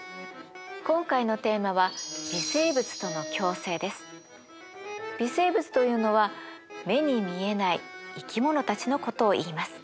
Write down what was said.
今回のテーマは微生物というのは目に見えない生き物たちのことをいいます。